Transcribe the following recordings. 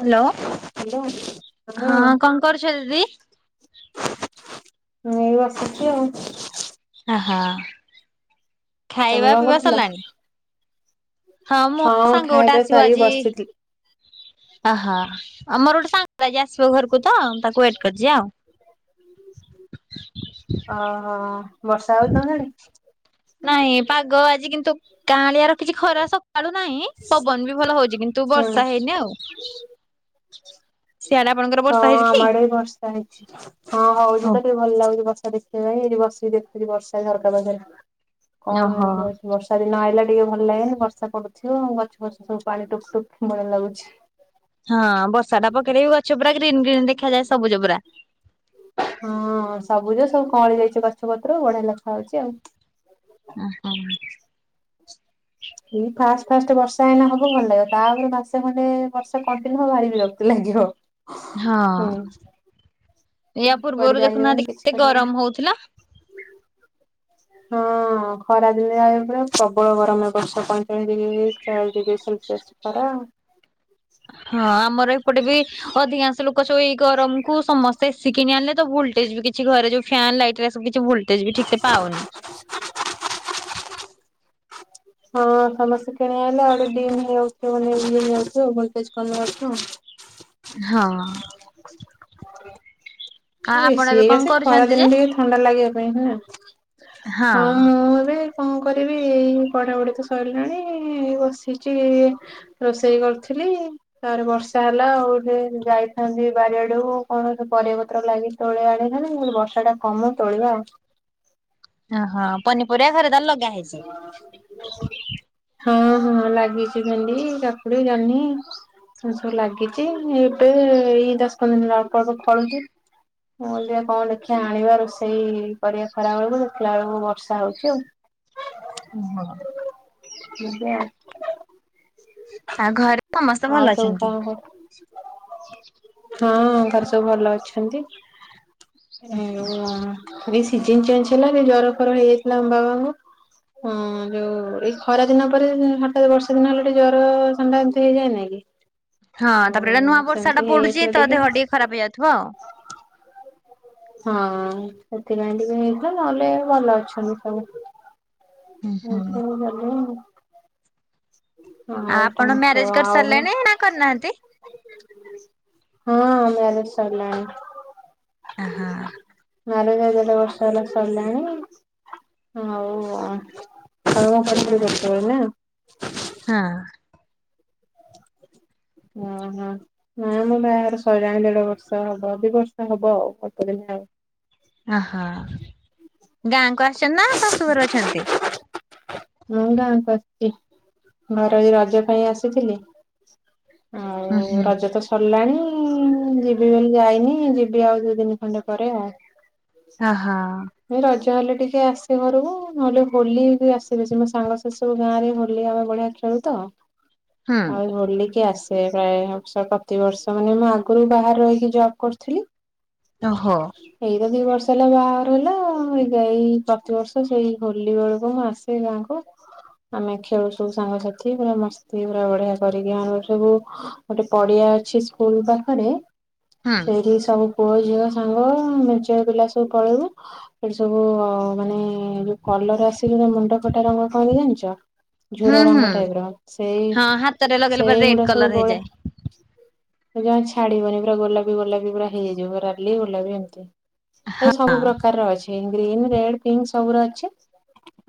Hello hello ହଁ! କଣ କରୁଛ ଦିଦି? ଏଇ ଆସୁଚି ଆଉ। ହାଁ ତମେ ଖାଇବା କଣ ପିଇବା କରୁଥିଲ? ସରିଲାଣି। ହଁ ମୋ ସାଙ୍ଗ ଖାଇବା ଗୋଟେ ପିଇବା ଆସିବ ସାରିକି ଆଜି, ବସିଥିଲି। ଆଃ! ଆମର ଗୁଟେ ସାଙ୍ଗ ଆସିବ ଘରକୁ ତୋ ତାକୁ ୱେଟ କରିଛି ଆଉ। ଅହଃ! ନାଇଁ ପାଗ ଆଜି କିନ୍ତୁ- କାଁ ଳିଆ ରଖିଛି। ଖରା ସକାଳୁ ନାହିଁ, ପବନ ବି ଭଲ ହଉଛି କିନ୍ତୁ ହୁଁ ବର୍ଷା ହେଇନି ଆଉ। ଚିଂ ଚି ହଁ ଆମ ଆଡେ ବି ବର୍ଷା ହେଇଛି, ହଁ ହଉଛି ଓ ତ ଟିକେ ଭଲ ଲାଗୁଛି ବର୍ଷା। ଦେଖିବା ପାଇଁ ଏଠି ବସିକି ଦେଖୁଥିଲି ବର୍ଷାଝରକା ପାଖରେ। କଣ ମୋ ଓହୋ। ଏମିତି ହେଉଛି, ବର୍ଷା ଦିନ ଆଇଲା କି? ଟିକେ ଭଲ ଲାଗେନି ବର୍ଷା ପଡୁଥିବ ଗଛ ଫଛ ସବୁ ପାଣି ଟୁପ ଟୁପ ଭଳିଆ ଲାଗୁଛି। ହଁ ବୋ ସାଟା ପକରେେଇ ବି ଅଛ ପୁରା [unintelligible] ଗ୍ରୀନ୍ ଗ୍ରୀନ୍ ଦେଖା ଯାଏ ସବୁଜ ପୁରା ହଁ ସବୁଜ ସବୁ କଁଳି ଯାଇଛି ଗଛ ପତ୍ର ବଢିଆ ଲେଖା ହଉଛି ଆଉ। ଉଁ ହୁଁ। ଏଇ ଫାଷ୍ଟ ଫାଷ୍ଟ ବର୍ଷା ଏଇନା ହବ ଭଲ ଲାଗିବ ତାପରେ ମାସେ ଖଣ୍ଡେ ବର୍ଷା କଣ୍ଟିନ୍ୟୁ ହବ ଭାରି ବିରକ୍ତି ଲାଗିବ। ହଁ। ହୁଁ ଏଆ କୁଆଡେ ପୂର୍ବରୁ ଯାଇ ହବନି ଦେଖୁନାହାନ୍ତି କିଛି କେତେ କରିହବନି। ଗରମ ହଉଥିଲା। ହଁ ଖରାଦିନ [unintelligible] ପ୍ରବଳ ଗରମ ଏ ବର୍ଷ ପଇଁଚାଳିଶ ଡିଗ୍ରୀ ଚୟଳିଶ ଡିଗ୍ରୀ ସେଲସିଆସ ଖରା। ହଁ ଆମର ଏପଟେ ବି ଅଧିକାଂଶ ଲୋକ୍ ଏଇ ଗରମକୁୁ ସମସ୍ ସେ ଏସି କିଣି ଆଣିଲେ ତ ଭୁଲ୍ଟେଜ୍ ବି କିଛି ଘରେ ଯୋଉ ଫ୍ୟାନ୍ ଲାଇଟ୍ ଏରା ସବୁ କିଛି ବୁଲ୍ ଟେଜ ବିି ଠିକ୍ ସେ ପାଉନି। [inaudible] ହଁ ସମସ୍ତେ କିଣି ଆଣିଲେ ଆଉ ଆଡ଼େ ଡିମ୍ ହେଯାଉଚୁ [inaudible] ଇଏ ହେଇଯାଉଚୁ ଭୋଲ୍ଟେଜ କମି ଯାଉଛୁ। ହଁ। [inaudible] ଆପଣ ଏସି ଏବେ ଏଇଆ କଣ ସେ ଖରା କରୁଛନ୍ତି ଯେ? ଦିନେ ଟିକେ ଥଣ୍ଡା ଲାଗି [inaudible] ହଁ ମୁଁ ଏବେ କଣ କରିବି ଏଇ ପଢାପଢି ତ ସରିଲାଣି ବସିଛି ରୋଷେଇ କରୁଥିଲି ତାପରେ ବର୍ଷା ହେଲା ଆଉ ଗୋଟେ ଯାଇଥାନ୍ତି ବାରିଆଡୁକୁ କଣ ଗୋଟିଏ ପରିବା ପ୍ରଲାଗି ତୋଳି ଆଣିବେ ନେଇଁ ବର୍ଷାଟା ଥମୁ ତୋଳିବା ଆଉ। ଅହ ପନିପରିବା ଘରେ ତ ଲଗ ହଁ। ହଁ ଲାଗିଛି ଭେଣ୍ଡି, କାକୁଡି, ଜହ୍ନି ଏ ସବୁ ଲାଗିଛି ଏବେ ଏଇ ଦଶ ପନ୍ଦର ଦିନ ଅଳ୍ପ ଅଳ୍ପ ଫଳୁଛି ମୁଁ କହିଲି ଯିବା କଣ ଦେଖିବା ଆଣିବା ରୋଷେଇ କରିବା ଖରା ବେଳକୁ ଦେଖିଲା ବେଳକୁ ବର୍ଷା ହଉଛି ଆଉ। ଓହୋ। [inaudible] ଆ ଘରେ ସମସ୍ତେ ଆଉ ଭଲ ସବୁ ଅଛନ୍ତି। କଣ କହ ହଁ ଘରେ ସବୁ ଭଲ ଅଛନ୍ତି। [inaudible] ସିଜନ ଚେଞ୍ଜ ହେଲା ଏବେ ଜର ଫର ହେଇଯାଇଥିଲା ଆମ ବାବାଙ୍କୁ ଯୋଉ ଏଇ ଖରା ଦିନ ପରେ ହଠାତ୍ ବର୍ଷା ଦିନ ହେଲା ଟିକେ ଜର ଥଣ୍ଡା ହେଇଯାଏନା କି ହଁ ତାପରେ ଏଟା ଆଉ ନୂଆ ସେମିତି ବର୍ଷାଟା ପଡୁଚି ହେଇଯାଇଥିଲା ତ ଦେହ ଟିକେ ଖରାପ ହେଇଯାଉଥୁବ ଆଉ। ହଁ ସେଥିପାଇଁ ଟିକେ ହେଇଥିଲା ନହେଲେ ଭଲ ଅଛନ୍ତି ସବୁ। ହୁଁ ହୁଁ ମୋର ଟ [unintelligible] ଆଉ କଣ ଆପଣ କୁହ ମ୍ୟାରେଜ କରି ଆଉ ସାରିଲେଣି ନା କରିନାହାନ୍ତି? ହଁ ହଁ ମ୍ୟାରେଜ ସରିଲାଣି। ଅ ହଁ। ମ୍ୟାରେଜ ପରେ ବର୍ଷ ହେଲା ସରିଲାଣି। ହୋଉ ଆ କାମ [unintelligible] ନା। ହଁ। ଓହୋ ନାଇ ମୋ ବାହାଘର ସଇଲାଣି ଦେଢବର୍ଷ ହବ ଦିବର୍ଷ ହବ ଆଉ ଅଳ୍ପଦିନ ଆଉ। ଆଁହଁ ଗାଁକୁ ଆସ ଚନ୍ତି ଶାଶୁଘରେ ଅଛନ୍ତି? ମୁଁ ଗାଁକୁ ଆସଚି ମୋର ଏଇ ରଜ ପାଇଁ ଆସିଥିଲି। ଉଁ ଆଉ ହୁଁ ରଜ ତ ସର୍ ଗଲାଣି ମୁଁ ଯିବି ବୋଲି ଯାଇନି ଯିବି ଆଉ ଦି ଦିନି ଖଣ୍ଡେ ପରେ ଆଉ। ଅହ। ଏଇ ରଜ ହେଲେ ଟିକେ ଆସେ ଘରକୁ ନହେଲେ ହୋଲିକୁ ଆସ [unintelligible] ମୋ ସାଙ୍ଗ ସେ ସବୁ ଗାଁରେ ହୋଲି ଆମେ ବଢ଼ିଆ ଖେଳୁ ତ ହୁଁ ଆଉ ହୋଲିକେ ଆସ୍ ଏ ସାଇ ହୋଉଛି ପ୍ରତିବର୍ଷ ମାନେ ମୁଁ ଆଗରୁ ବାହାରେ ରହିକି ଜବ କରିୁଥିଲି। ଓହୋ ଏଇତ ଦି ବର୍ଷ୍ ତାଲେ ବାହାଘର ହେଲା ଏଇ ଗା ଏଇ ପ୍ରତିବର୍ଷ ସେଇ ହୋଲି ବେଳକୁ ମୁଁ ଆସ୍ ସେ ଗାଁକୁ ଆମେ ଖେଳୁ ସବୁ ସାଙ୍ଗସାଥି ପୁରା ମସ୍ତି ପୁରା ବଢିଆ କରିକି ଆମେ ସବୁ ଗୋଟେ ପଡିଆ ଅଛି ସ୍କୁଲ ପାଖରେ ହୁଁ ସେଇଠିକି ସବୁ ପୁଅ ଝିଅ ସ ସାଙ୍ଗ ଆମେ ଝିଅପିଲା ସବୁ ପଳେଇବୁ ସେଠି ସବୁ ମାନେ ଯୋଉ କଲର ଆସେନି ନା ମୁଣ୍ଡ କଣ ଜାଣିଚ? ହୁଁ ଝୁରା ହୁଁ ରଙ୍ଗ ଟାଇପର ସେଇ ହଁ ହାତରେ ଲଗେଇଲେ ପରେ ରେଡ୍ ସେଇଗୁଡା କଲର ସବୁ ଗୋଳା ହେଇଯାଏ। ସେଇ ପା ଛାଡିବନି ପୁରା ଗୋଲାପି ଗୋଲାପି ପୁରା ହେଇଯିବ ରାଲିି ଗୋଲାପି ଏମିତି। ଏ ସବୁ ହଁ ପ୍ରକାରର ଅଛି। ଗ୍ରୀନ୍ ରେଡ୍ ପିଙ୍କ୍ ସବୁର ଅଛି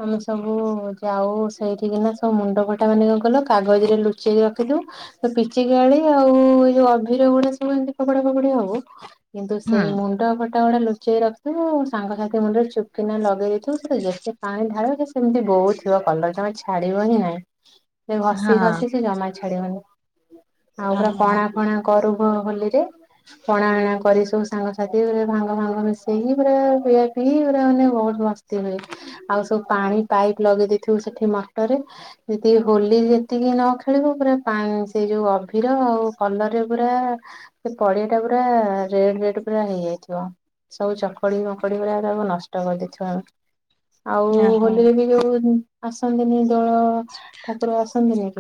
ଆମ ସ ସବୁ ଯାଉ ସେଇଠିକିନା ସବୁ ମୁଣ୍ଡ ଫଟା ମାନେ କଣ କଲ କାଗଜ ରେ ଲୁଚେଇକି ରଖିିଥିବୁ, ପିଚିକାଳି ଆଉ ଯୋଉ ଅଭିିର ଗୁଡା ସବୁ ଏମତି ଫୋବାଡ଼ା ଫୋବାଡ଼ି ହବୁ କିନ୍ତୁ ସେଇ ହୁଁ ମୁଣ୍ଡ ଫ କଣ ଲୁଚେଇ ରଖିଥିବୁ, ସାଙ୍ଗସାଥି ମୁଣ୍ଡରେ ଚୁପ୍ କିନା ଲଗେଇ ଦେଇଥିବୁ, ସେ ଯେତେ ପାଣି ଢ଼ାଳିବେ ସେ ସେମତି ବହୁଥିବ କଲର ଜମା ଛାଡ଼ିବ ହିଁ ନାଇଁ। ସେ ଘସି ହଁ ଘସି ସେ ଜମା ଛାଡିବନି। ଆଉ ପୁରା ଓହୋ ପଣା ଫଣା କରୁ ହଁ ହୋଲିରେ, ପଣା ଅଣା କରି ସବୁ ସାଙ୍ଗସାଥି ଭାଙ୍ଗ ଭାଙ୍ଗ ମିଶେଇ ପୁରା ପିଆ ପିଇ ପୁରା ମାନେ ବୋହୁତ୍ ମସ୍ତି ହୁଏ। ଆଉ ସବୁ ପାଣି ପାଇପ୍ ଲଗେଇ ଦେଇେଇଥିବୁ ସେଠି ମଟରରେ, ଯଦି ହୋଲି ଯେତିକି ନ ଖେଳିବୁ ପୁରା ପା-ସେଇ ଯୋଉ ଅଭିର ଆଉ କଲର ରେ ପୁରା ସେ ପଡିଆଟା ପୁରା ରେଡ୍ ରେଡ୍, ପୁରା ହେଇ ଯାଇଥିବ। ସବୁ ଚକଡି, ମକଡି ପୁରା ନଷ୍ଟ କରିଦେଇ ଥିବୁ ଆମେ। ଆଉ ଓହୋ ହୋଲିରେ ବି ଆସନ୍ତିନି ଆଜି ଅ ଠାକୁର ଆସନ୍ତିନେଇ।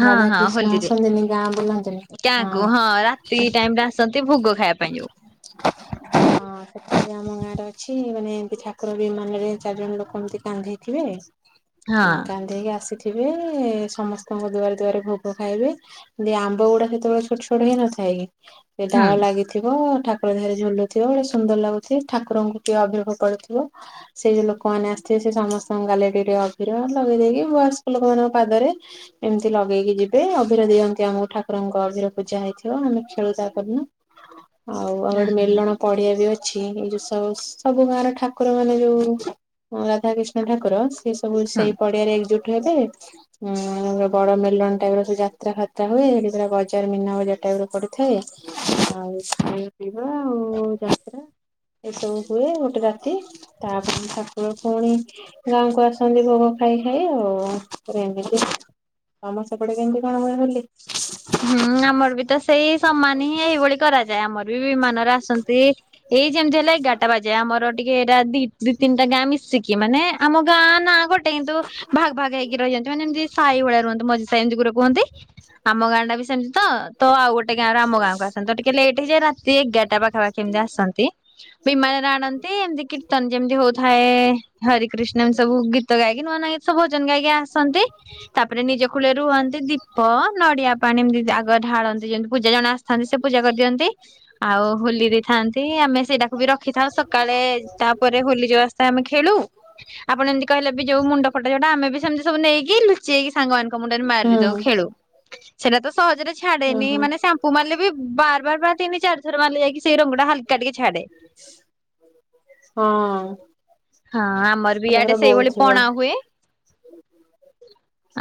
ହଁ ହଁ ହୋଲିରେ ଆସନ୍ତିନି ଗାଁ ବୁଲନ୍ତିନି ଗାକୁ ହଁ ରାତି ଟାଇମରେ ଆସନ୍ତି ଭୋଗ ଖାଇବା ପାଇଁ ଯଉ। ସେଠି ଆମ ଗାଁରେ ଅଛି ମାନେ ଏମିତି ଠାକୁର ବିମାନରେ ଚାରି ଜଣ ଲୋକ ଏମତି କାନ୍ଧେଇଥିବେ ହଁ କାନ୍ଧେଇକି ଆସିଥି ଥିବେ ସମସ୍ତଙ୍କ ଦୁଆରେ ଦୁଆରେ ଭୋଗ ଖାଇବେ ଖାଲି ଆମ୍ବ ଗୁଡା ସେତେବେଳେ ଛୋଟ ଛୋଟ ହେଇ ନଥାଏ କି ସେ ଡାଳ ହୁଁ ଲାଗିଥିବ ଠାକୁର ଦେହରେ ଝୁଲୁଥିବ ଗୋଟେ ସୁନ୍ଦର ଲାଗୁଥିବ ଠାକୁରଙ୍କୁ ଟିକିଏ ଅଭିରଖ କରୁଥିବେ ସେ ଯୋଉ ଲୋକମାନେ ଆ ସେ ସେ ସମସ୍ତଙ୍କ ଗାଲରେ ଅଭିର ଲଗେଇ ଦେଇକି ବୟସ୍କ ଲୋକମାନଙ୍କ ପାଦରେ ଏମିତି ଲଗେଇକି ଯିବେ ଅଭିର ଦିଅନ୍ତି ଆମକୁ ଠାକୁରଙ୍କ ଅଭିର ପୂଜା ହେଇଥିବ ଆମେ ଖେଳୁ ତା ପରଦିନ। ଆଉ ଆମର ମେଲଣ ପଡିଆ ବି ଅ ଅଛି ଏଇ ଯୋ ସବୁ ସବୁ ଗାଁର ଠାକୁର ମାନେ ଯୋଉ ହଁ ରାଧାକିଷ୍ଣ ଠାକୁର ସେ ସବୁ ହୁଁ। ସେଇ ପଡିଆରେ ଏକଜୁଟ ହେବେ ବଡ ମେଲଣ ଟାଇପ ସବୁ ଯାତ୍ରା ଫାତ୍ରା ହୁଏ ପ ବଜାର ମନା ବଜାର ଟାଇପ ର ପଡିଥାଏ। ଆଉ ଖାଇ ପିଇବା ଆଉ ଯାତ୍ରା ଏସବୁ ହୁଏ ଗୋଟେ ରାତି ତାପ ପୁଣି ଗାଁକୁ ଆସନ୍ତି ଭୋଗ ଖାଇ ଖାଇ ଆଉ ଏମିତି ଆମ ସେପଟେ କେମିତି କଣ ହୁଏ ହୋଲି? ହୁଁ ଆମର ବି ତ ସେଇ ସମାନ ହିଁ ଏଇଭଳି କରାଯାଏ ଆମର ବିମାନରେ ଆସନ୍ତି ଏଇ ଯେମତି ହେଲା ଏଗାରଟା ବାଜେ ଆମର ଟିକେ ଏରା ଦି ତିନିଟା ଗାଁ ମିଶିକି ମାନେ ଆମ ଗାଁ ନା ଗୋ କିନ୍ତୁ ଭାଗ ଭାଗ ହେଇକି ରହିଛନ୍ତି ମାନେ ଯେମିତି ସାଇ ଭଳିଆ ରୁହନ୍ତି ମ ସେନ୍ ଜୁଗୁରୁ କୁହନ୍ତି। ଆମ ଗାଁ ସେମତି ତ ଆଉ ଗୋଟେ ଗାଁ ର ଆମ ଗାଁକୁ ଆସନ୍ତି ତ ଟିକେ ଲେଟ୍ ହେଇଯାଏ ରାତି ଏଗାରଟା ପାଖାପାଖି ଏମିତି ଆସନ୍ତି ବିମାନରେ ଆଣନ୍ତି ଏମତି କୀର୍ତ୍ତନ ଯେମିତି ହଉଥାଏ ହ କ୍ରିଷ୍ଣନ ସବୁ ଗୀତ ଗାଇକି ନୂଆ ନୂଆ ଗିତ ସବୁ ଭଜନ ଗାଇକି ଆସନ୍ତି ତାପରେ ନିଜ କୂଳରୁ ରୁହନ୍ତି ଦୀପ ନଡିଆ ପାଣି ଏମିତି ଆଗ ଢାଳନ୍ତି ଯେମିତି ପୂଜା ଜଣେ ଆସିଥାନ୍ତି ସେ ପୂଜା କରିଦିଅନ୍ତି ଆଉ ହୋଲି ଦେଇଥାନ୍ତି ଆମେ ସେଇଟାକୁ ବି ରଖିଥାଉ ସକାଳେ ତାପରେ ହୋଲି ଯୋଉ ଆସଥାଏ ଆମେ ଖେଳୁ ଆପଣ ଏମିତି କହିଲେ ବି ଯୋଉ ମୁଣ୍ଡ ଫଟା ଯୋଟା ଆମେ ବି ସେମିତି ସବୁ ନେଇକି ଲୁଚେଇକି ସାଙ୍ଗ ମାନଙ୍କ ମୁଣ୍ଡରେ ହୁଁ ମାରିଦଉ ଖେଳୁ। ସେଇଟା ତ ସହଜରେ ଛାଡେନି ଓହୋ ମାନେ ସାମ୍ପୁ ମାରିଲେ ବି ବାର ବାର ବାର ତିନି ଚାର ଥର ମାରିଲେ ଯାଇକି ସେଇ ରଙ୍ଗଡ଼ା ହାଲକା ଟିକେ ଛାଡେ। ହଁ। ହଁ ଆମ ଆମର ବି ପୁରା ପୁରା ଇଆଡେ ସେଇଭଳି ବୋହୁଥିବ ପଣା ହୁଏ।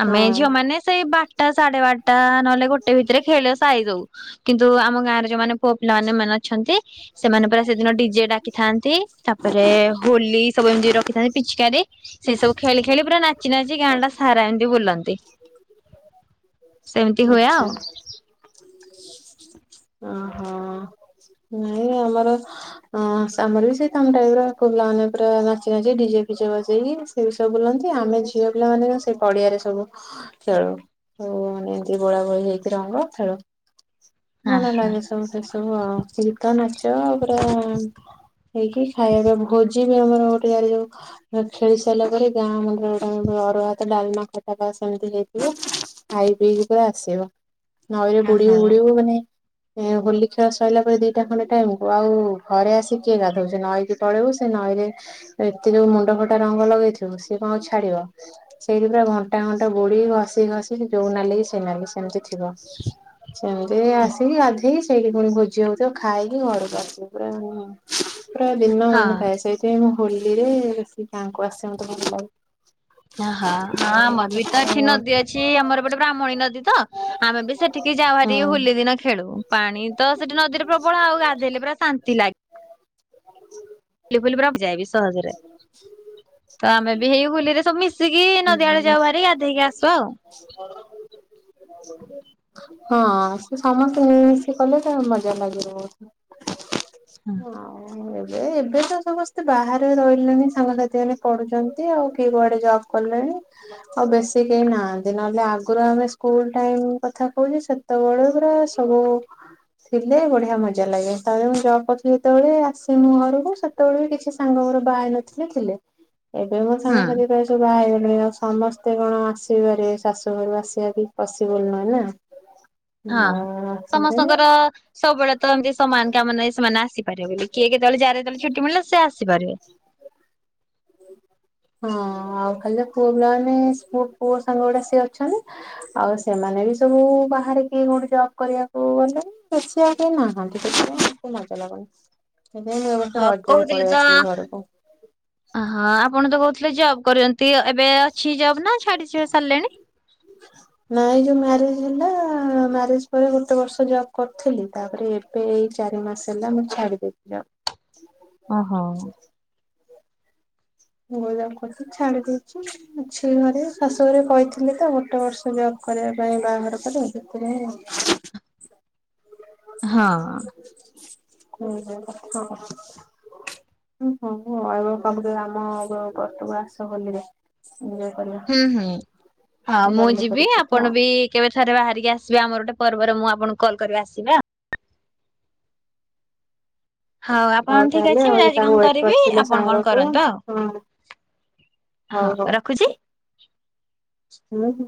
ଆମେ ହଁ। ଝିଅ ମାନେ ସେଇ ବା ଟା ସାଢେ ବାରଟା ନହଲେ ଗୋଟେ ଭିତରେ ଖେଳ ସାରିଦଉ କିନ୍ତୁ ଆମ ଗାଁରେ ଯୋଉ ମାନେ ପୁଅ ପିଲା ମାନେ ମାନେ ଅଛନ୍ତି ସେମାନେ ପୁରା ସେଦିନ ଡିଜେ ଡାକିଥାନ୍ତି ତାପରେ ହୋଲି ସବୁ ଏମିତି ର ଥାନ୍ତି ପିଚକାରୀ, ସେ ସବୁ ଖେଳି ଖେଳି ପୁରା ନାଚି ନାଚି ସାରା ଏମିତି ବୁଲନ୍ତି, ସେମିତି ହୁଏ ଆଚ୍ଛା ଆଉ। ହଁ ନାଇଁ ଆମର ଆମର ବି ସେଇ ତମ ଟାଇପ ର ପୁଅ ପିଲାମାନେ ପୁରା ନାଚି ନାଚି ଡିଜେ ଫିଜେ ବାଜି ସେ ବି ସବୁ ବୁଲନ୍ତି ଆମେ ଝିଅ ପିଲାମାନେ ସେ ପଡିଆରେ ସବୁ ଖେଳୁ, ଆଉ ମାନେ ଏମିତି ବୋଳା ବୋଳି ହେଇକି ରଙ୍ଗ ଖେଳୁ। ହଁ ଭଲ ଲାଗେ ସବୁ ବେଶୀ। ତ ଗୀତ, ନାଚ ପୁରା ହେଇକି ଖାଇବା ପାଇଁ ଭୋଜି ବି ଆମର ଗୋଟେ ଯାର ଯୋଉ। ଖେଳି ସାରିଲା ପରେ ଗାଁ ମୁଣ୍ଡରେ ଗୋଟେ ଅରୁଆ ଭାତ, ଡାଲମା, ଖଟା ବା ସେମିତି ହେଇଥିବ ଆଇ ପିଇକି ପରେ ଆସିବୁ। ନଈରେ ହଁ ବୁଡିବୁ ବୁଡିବୁ ମାନେ ହୋଲି ଖେଳ ସରିଲା ପରେ ଦିଟା ଖଣ୍ଡେ ଟାଇ ହବ ଆଉ ଘରେ ଆସି କିଏ ଗାଧଉଛି, ନଈକି ପଳେଇବ ସେ ନଈରେ ସେଠି ଯୋଉ। ମୁଣ୍ଡ ଫଟା ରଙ୍ଗ ଲଗେଇଥିବୁ ସିଏ କଣ ଆଉ ଛାଡିବ ସେଇଠି ପୁରା ଘଣ୍ଟା ଘଣ୍ଟା ବୁଡି କି, ଘଷି ଘଷି, ଯୋଉ ନଲି ସେ ନ ସେମିତି। ସେମିତି ହିଁ ଆସିକି ଗାଧେଇ ସେଇଠି ପୁଣି ଭୋଜି ହଉଛି ଖାଇକି ଘରକୁ ଆସିକି ପୁରା। ପୁରା ଦିନ ହଁ। ମାନ କାଇସଇତ ମୁଁ। ହୋଲିରେ ଗାଁକୁ ଆସନ୍ତୁନି କହି ହଁ ହଁ ଆମର ବି ତ ଏଠି ହୁଁ ନଦୀ ଅଛି, ଆମର ଗୋଟେ ବ୍ରାହ୍ମଣୀ ନଦୀ ତ, ଆମେ ବି ସେଠିକି ଯାଉ ହେରି ହୋଲି ଦିନ ଖେଳୁ, ପାଣି ତ ସେଠି ନଦୀରେ ପ୍ରବଳ, ଆଉ ଗାଧେଇଲେ ପୁରା ଶାନ୍ତି ଲାଗେ। ଫୁଲି ଫୁଲି ପୁରା ଯାଏବି ସହଜରେ। ତ ଆମେ ବି ହେଇ ହୁଲିରେ ସବୁ ମିଶିକି ନଦୀଆଡେ ଯାଉ ବାହାରି ଗାଧେଇକି ଆସୁ ଆଉ। ହଁ ସମସ୍ତେ ମିଳିମିଶି କଲେ ତ ମଜା ଲାଗିବ ବହୁତ। ହଁ। ଏବେ ଏବେ ତ ସମସ୍ତେ ବାହାରେ ରହିଲେଣି। ସାଙ୍ଗସାଥି ମାନେ ପଢୁଛନ୍ତି, ଆଉ କଏ କୁଆଡେ ଜବ୍ କଲେଣି, ଆଉ ବେଶୀ କେହି ନାହାନ୍ତି ନହେଲେ ଆଗରୁ ଆମେ, ସ୍କୁଲ ଟାଇମ କଥା କହୁଛି, ସେତେବେଳେ ପୁରା ସବୁ ଥିଲେ ବଢିଆ ମଜା ଲାଗେ, ତାପରେ ମୁଁ ଜବ୍ କରୁଥିଲି ଯେତେବେଳେ ଆସେ ମୁଁ ଘରକୁ ସେତେବେଳେ ବି କିଛି ସାଙ୍ଗ ମର ବାହା ହେଇନ। ଥିଲେ। ଏବେ ମୋ ହୁଁ ସାଙ୍ଗ ସାଥି ସବୁ ବାହା ହେଇ ସମସ୍ତେ କଣ ଆସିବାରେ, ଶାଶୁ ଘରୁ ଆସିବା କବି ପସିବୁଲ୍ ନୁହେଁ ନା। ହଁ ଆଉ ଆସନ୍ତିନି। ସମସ୍ତଙ୍କର ସବୁବେଳେ ତ ଏମତି ସମାନ୍ ମାନେ ନାହିଁ ସେମାନେ ଆସିପାରେ ବୋଲି କିଏ। ନହେଲେ ଜାର ଯେତେବେଳେ ଛୁଟି ମିଳିଲା ସେ ଆସିପାରିବେ। ହଁ ଆଉ ଖାଲି ତ ପୁଅ ପିଲାମାନେ, ପୁଅ ଗୁଡା ସିଏ ଅଛନ୍ତି, ଆଉ ସେମାନେ ବି ସବୁ ବାହାରେ କିଏ କୋଉଠି ଜବ କରିବାକୁ ଗଲେଣି, ବେଶି ଆଉ କିଏ ନାହାନ୍ତି, ସେଥିପାଇଁ ମଜା ଲାଗୁନି। ସେଥିପାଇଁ ମୁଁ ଏ ବର୍ଷ ଓହୋ ରଜରେ କହୁଥିଲେ ପଳେଇ ତ ଆସିଲି ଘରକୁ। ହଁ। ଆପଣ ତ କହୁଥିଲେ ଜବ୍ କରଛନ୍ତି। ଟି ଏବେ ଅଛି ଯବ ନା ଛାଡିଛ ସାରିଲେଣି? ନାଇଁ ଯୋଉ ମ୍ୟାରେଜ ହେଲା ମ୍ୟାରେଜ ପରେ ଗୋଟେ ବର୍ଷ ଜବ କରିଥିଲି ତାପରେ ଏବେ ଏଇ ଚାରି ମାସ ହେଲା ମୁଁ ଛାଡିଦଥିଲି ଜବ। ଓ ହଉ। ମୁ ଜବ୍ କରୁଥିଲି ଛାଡି ଦେଇଛି ଘରେ ଶାଶୁ ଘରେ କହିଥିଲେ ତ ଗୋଟେ ବର୍ଷ ଜବ କରିବା ପାଇଁ ବାହାଘର ହଁ। ପରେ [inaudible] [unintelligible] ହଁ [inaudible] ଆସ ହୋଲିରେ। ଏଞ୍ଜୟ କରିବା ହୁଁ ହୁଁ ହଁ ମୁଁ ବୁଲାବୁଲି କରି ଯିବି। ଯିବା ଆପଣ ଆଉ। ବି କେବେ ଥରେ ବାହାରିକି ଆସିବେ ଆମର ଗୋଟେ ପର୍ବରେ ମୁଁ ଆପଣଙ୍କୁ କଲ୍ କରିବି ଆସିବେ ଆଉ। ହଉ ଆପଣ ଠିକ ତାହେଲେ ଅଛି ଆଉ ମୁଁ ଆଜି ତାକୁ କଣ ୱେଟ କରିବି କରିଥିଲ ଆପଣ କଣ ସାଙ୍ଗକୁ କରନ୍ତୁ ହଁ ଆଉ ହଉ ହଁ ରଖୁଚି। ହୁଁ ହୁଁ।